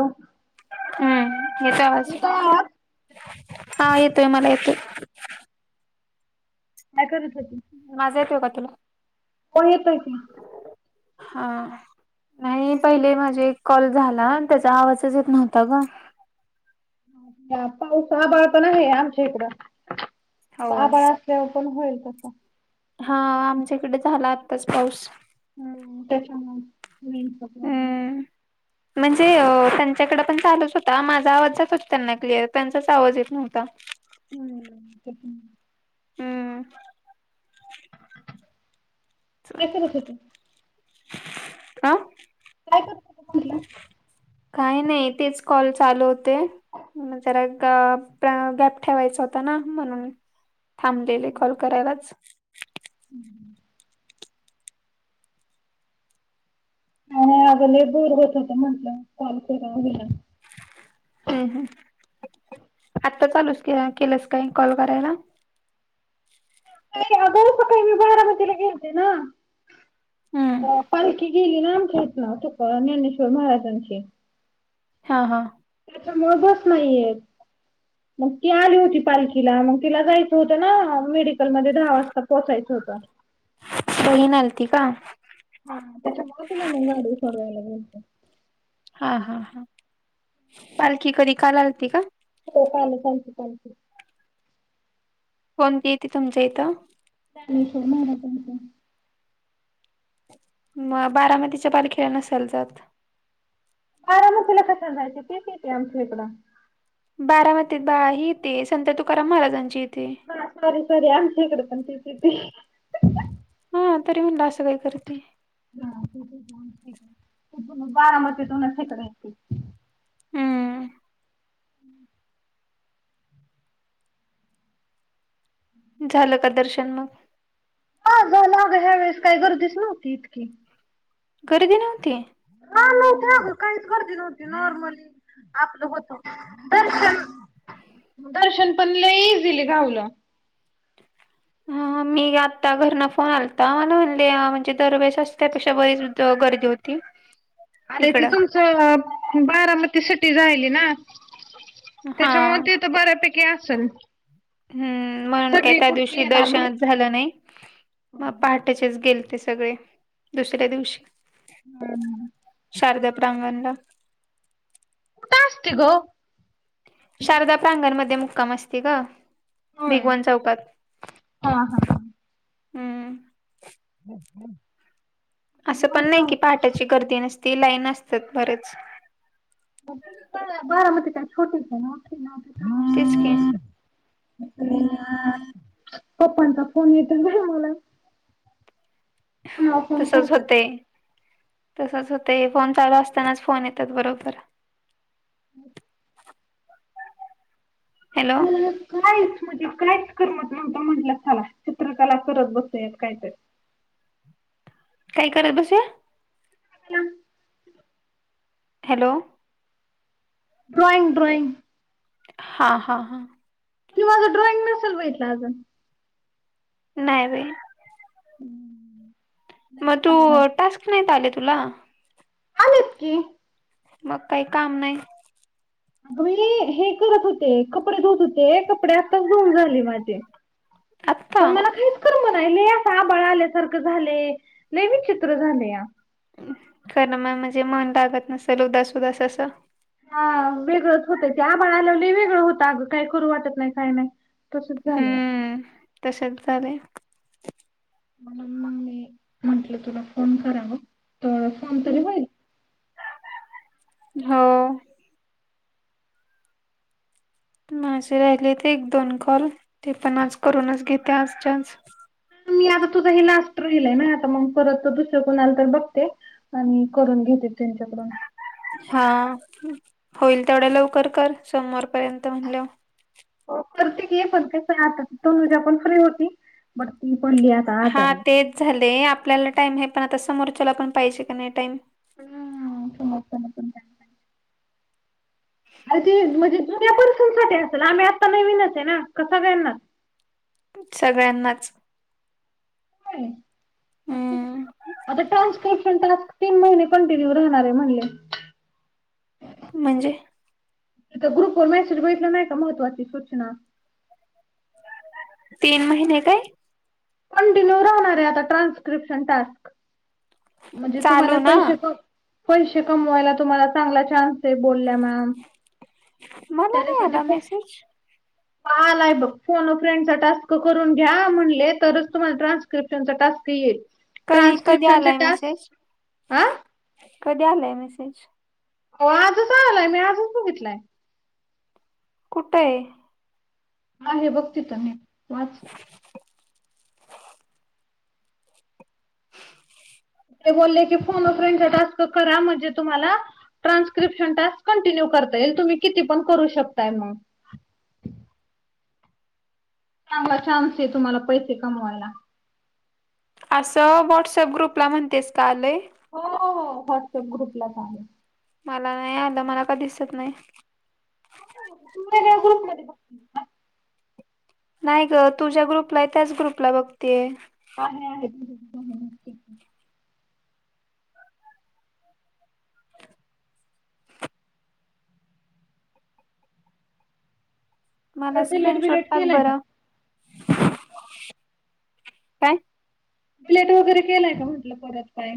Hello. हम्म येतोय आवाज? हा, येतोय मला येतोय. काय करत होती? माझा येतो का तुला? हो, येतोय की. हा. नाही, पहिले माझे एक कॉल झाला त्याचा आवाजच येत नव्हता गं. ह्या, पाऊस आभाळ पण आहे आमच्या इकडं. हो आभाळा तेव्हा पण होईल तसा. हा, आमच्याकडे झाला आत्ताच पाऊस. हा. त्याच्यामुळे, रेंजचा प्रॉब्लेम. हम्म म्हणजे त्यांच्याकडे पण चालूच होता. माझा आवाज जात होता त्यांना क्लिअर. त्यांचाच आवाज येत नव्हता. हम्. हम्म. काय करत होती? आ. काय करत होतीस म्हटली? काही नाही, तेच कॉल चालू होते. जरा ग गॅप ठेवायच होत ना, म्हणून. थांबलेले कॉल करायलाच. हम्म. काही नाही अगं, लई बोर होत होतं. म्हंटलं काॅल करावा हिला. हम्. हम्. आता चालूसं केलंस का? कॉल करायला. अगं, सकाळी मी बारामतीला गेलते ना. हम्म अ पालखी गेली ना आमच्या इथनं, तुका ज्ञानेश्वर महाराजांची. हा. हा. त्याच्यामुळे बस नाहीयेत. मग ती आली होती पालखीला. मग तिला जायचं होतं ना, मेडिकलमध्ये दहा वाजता पोहोचायचं होतं. बहिण आलती का? हा. त्याच्यामुळे तीला नेवून, गाडी सोडवायला गेलो. हा. हा. हा. पालखी कधी काल आलती का? हो. कालच आलती पालखी. कोणती येते तुमच्या इथं? ज्ञानेश्वर महाराजांची. मग, बारामतीच्या पालखीला नसाल जात? बारामतीला कशाला जायचं? तीच येते आमच्या इकडं. बारामतीत बा ही येते, संत तुकाराम महाराजांची येते. हा. Sorry sorry. आमच्याकडे पण तीच येते. हा. तरी म्हणलं असं काय करती? बारामतीतूनच हिकडं येते. हम्म झालं का? दर्शन मग. झाल आगं. ह्या वेळेस काय गर्दीच नव्हती इतकी. गर्दी नव्हती? हां. नव्हती आगं, काहीच गर्दी नव्हती. नॉर्मली आपलं होतं. दर्शन, दर्शन पण लई इझिली घावलं. हा हा मी आत्ता घरनं फोन आलता मला म्हणले, म्हणजे दरवेळेस असं त्यापेक्षा बरीच गर्दी होती. अरे ते इकडं तुमचं, बारामती सिटी राहीली ना. हा त्याच्यामुळं ते तर बऱ्यापैकी असंल. हम्म, म्हणून काय त्या दिवशी येणार दर्शनच म्हटलं. झालं नाही. मग पहाटेचेच गेलते सगळे, दुसऱ्या दिवशी. हम्. शारदा प्रांगणला. कुठं असते गं? शारदा प्रांगणमध्ये मुक्काम असते गं, होय. भिगवण चौकात. हा हा. हम्म हम् हम्. असं पण नाही की, पहाटेची गर्दी नसती लाईन असत्यात बरेच. [unintelligible] बारामती काय छोटं [unintelligible] तेच की. आ... पप्पांचा फोन येतोय बाई मला. चर््््््् हा, तसंच होतंय. तसचं होतंय. फोन चालू असतानाच, फोन येतात बरोबर. हम्. हॅलो मला हा कायच म्हणजे कायच करमत नव्हतं. म्हंटलं चला, चित्रकला करत बसूयात काय तरी. काय करत बसुया? [unintelligible] हॅलो. Drawing drawing. हा हा हा. तु माझं, डॉईंग नसेल बघितलं अजून. नाही बाई. हम्म्. म तू, टास्क नाहीत आले तुला? आलेत की. मग काही काम नाही अगं मी हे करत होते, कपडे धुत होते. कपडे आत्ताच धुऊन झाले माझे. पण आत्ता मला काहीच करमनायले असं आभाळ आल्यासारखं झालंय, लई विचित्र झालया. करमना म्हणजे मन लागत नसेल उदास उदास असं. हा, वेगळंच होतंय. ते आभाळ आल्यावर लय वेगळं होतं, अगं काही करू वाटत नाही काय नाही. तसचं झालया. तसंच झालंय. म्हणून मग मी म्हंटलं तुला फोन करावं तर फोन तरी होईल. हो. माझे राहिले ते एक दोन कॉल ते पण आज करूनच घेते आजच्या आज. मी आता तुझं हे लास्ट राहिलयं ना आता मग परत दुसरं कोणाला तर बघते आणि करून घेते त्यांच्याकडून. हां होईल तेवढ्या लवकर कर सोमवार पर्यंत म्हणल्यावर. हो करतीये की करतेच आहे आता तनुजा पण फ्री होती बट ती पडलीये आता. हां आजारी. तेच झालंय आपल्याला टाईम आहे पण आता समोरच्याला पण पाहिजे का नाही टाईम हम्म समोरच्याला पण टाईम पाहिजे. अरे ते म्हणजे जुन्या पर्सनसाठी असेल आम्ही आत्ता नवीनच आहे ना का सगळ्यांनाच? सगळ्यांनाच. होय अस कसं आता ट्रान्स्क्रिप्शन टास्क तीन महिने कंटिन्यू राहणार म्हणले. म्हणजे? तिथं ग्रुप वर मेसेज बघितला नाही का महत्त्वाची सूचना? तीन महिने काय? कंटिन्यू राहणार आहे आता ट्रान्स्क्रिप्शन टास्क. म्हणजे तुम्हाला चालू ना पैसे पैसे कमवायला तुम्हाला चांगला चान्स ते बोलल्या मॅम मला नाही त्याच्यासाठी आला मेसेज खूप आलाय बघ फोन व फ्रेंडचा टास्क करून घ्या म्हणले तरच तुम्हाला ट्रान्स्क्रिप्शनचा टास्क येईल. कधी कधी ट्रान्सक्रिप्शनचे आलाय टास्क मेसेज? हा कधी आलाय मेसेज? हो आजच आलाय, मी आजच बघितलंय. कुठं आहे? आहे बघ तिथं मी वाच. ते बोलले की फोन अ फ्रेंडचा टास्क करा म्हणजे तुम्हाला ट्रान्स्क्रिप्शन टास्क कंटिन्यू करता येईल तुम्ही किती पण करू शकताय मग. चांगला चान्स आहे तुम्हाला पैसे कमवायला. असं व्हॉट्सअप ग्रुपला म्हणतेस का आलय? हो हो व्हॉट्सअप ग्रुपला च आलेय. मला नाही आलं मला का दिसत नाही? तुझ्या ग्रुप मध्ये बघ. नाही ग तू ज्या ग्रुपला आहे त्याच ग्रुपला बघतेय. आहे आहेत. मला परत डिलेट स्क्रीनशॉट बिलेट टाक केलाय का बरं. काय? प्लेट वगैरे केलाय का म्हटलं परत काय?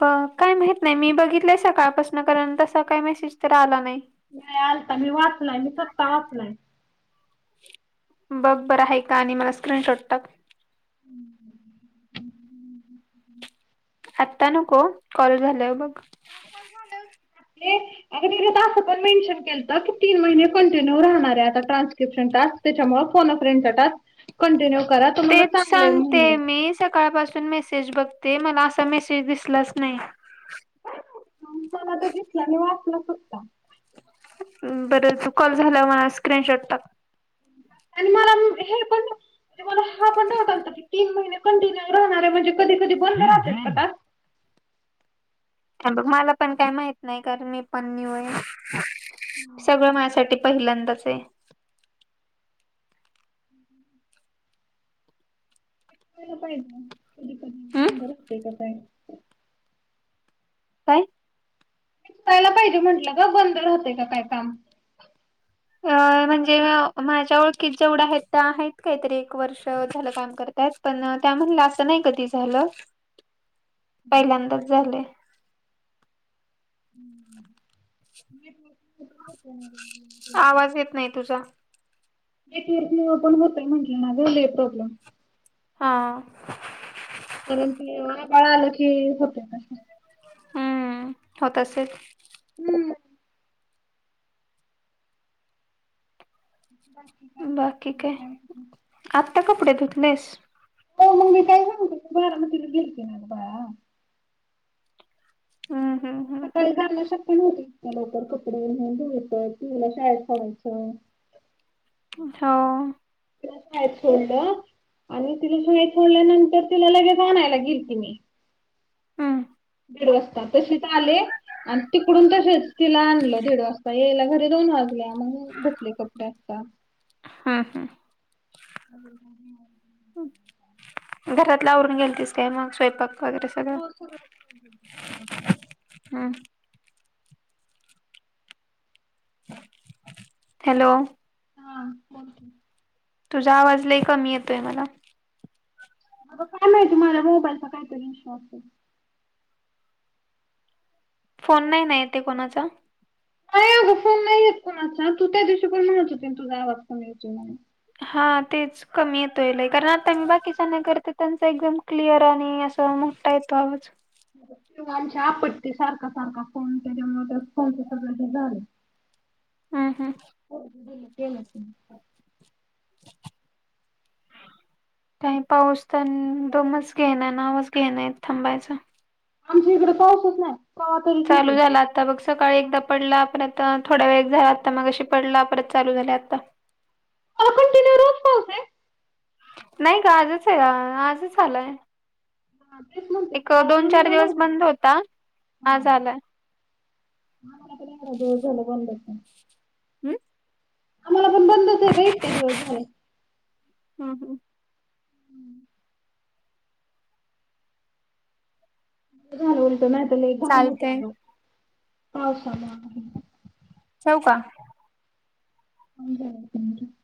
ब काय माहित नाही मी बघितलंय सकाळपासून कारण तसा काही मेसेज तर आला नाही. नाही आलता मी वाचलाय, मी स्वतः वाचलाय. बघ बरं आहे का आणि मला स्क्रीनशॉट टाक. [inaudible] आत्ता नको कॉल झाल्यावर बघ. आपली अगं त्यात असं पण मेन्शन केलंत की तीन महिने कंटिन्यू राहणार आहे आता ट्रान्स्क्रिप्शन टास्क. त्याच्यामुळं फोन अ फ्रेंड चा टास्क कंटिन्यू करा तुम्हाला तेच चांगलंय म्हणले. सांगते मी, सकाळपासून मेसेज बघते मला असा मेसेज दिसलाच नाही. माला तो दिसता आणि वाचला सुट. बरंच कॉल झाला मणा स्क्रीनशॉट टाक. आणि मला हे पण मला हा पणावतात ना क तीन महिने कंटिन्यू राहणारे म्हणजे कधी कधी बंद राहतात. बघ मला पण काही माहित नाही, कारण मी पण न्यू आहे सगळं माझ्यासाठी पहिल्यांदाच आहे. हम्म हम. पाहिजे कधी प हम् बंद र असते का काय. काय? यला पाहिजे म्हटलं ग, बंद राहतेय काय काम. अ म्हणजे, माझ्या ओळखीत जेवढ्या आहेत त्या आहेत, काहीतरी एक वर्ष झालं काम करतायत. पण, त्यामधलं असं नाही कधी झालं. [unintelligible] पहिल्यांदाच झालय. हम्म म आवाज येत नाही तुझा. एक आपण होतय म्हटलं ना झाले प्रॉब्लेम. हा. कारण की काळा आलं की होतेस हम्म होत असेच. हम्म. बसक आहे बाकी काय त. आत्ता कपडे धुतलेस? म मी काय आराम त लेे ना बा. हम्म हम्म. हम्म सकाळी जाला शक्य नवती, लवकर कपडे म्ह धुत पवीला शाळेत सोडायचं. हो. [unintelligible] आणि तिला सगई सोडल्यानंतर तिला लगेच आणायला गेल की मी. हम्म दिड वाजता तशिच आले. आणि तिकडून तसेच तिला आणलं दीड वाजता, येयला घरी दोन वाजले आम्हला. कसले कपडे असता. हा हा. [inaudible] घरातल आवरून गेलतीस काय मग स्वयंपाक वगैरे सगळं. हम्म. हॅलो? हा. तुझा आवाज लई कमी येतोय मला. काय माहिती तुम्हाला मोबाईलचा काय तरी इश असेल. फोन नाही ना येतोय कोणाचा? का अगं फोन नाही येत कोणाचा, तू त्या दिवशी पण म्हहत होते तुझा आवाज पण येती म्हणून. हा तेच. कमी येतोय लई, कारण आता मी बाकीच्याना करते, त्यांचा एकदम क्लिअर आणि अस मोठा येतो आवाज. आमची आपटती सारखा सारखा फोन, त्याच्यामुळे त्या फोनच सगळ हेच झालय. हम्म हम्म [unintelligible] [inaudible] काय पाऊस पण दमच घेईना नावाच घेईना थांबायचां. आमच्या इकडं पाऊसच नाय. चालू झालात आता बघ, सकाळी एकदा पडला, परत थोडया वेळ झाला. आता मगाशी पडला, परत चालू झालाय आता. [unintelligible] कंटिन्यू रोज पाऊसे? नाही ग. आजच हया, आजच आलाय. हा तेच म्हणते एक, म्हणजे दोन, चार आम्हाला दिवस नव्हता बंद होता. हा आज आलाय. [unintelligible] एवढा [unintelligible] झाला बंदचे. हम्म. आम्हाला पण बंदच आहे ब इतक्या दिवस झालं. हा हं. हम्म. बरं झालं उलट, नाहीत लई घाण होते चालतय अगं पावसामुळ हो का? [inaudible]